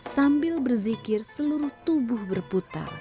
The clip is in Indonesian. sambil berzikir seluruh tubuh berputar